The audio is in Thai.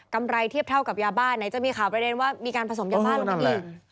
ไรเทียบเท่ากับยาบ้านไหนจะมีข่าวประเด็นว่ามีการผสมยาบ้าลงไปอีก